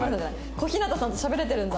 小日向さんとしゃべれてるんだ。